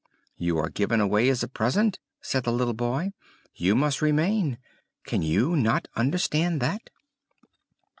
"You are given away as a present!" said the little boy. "You must remain. Can you not understand that?"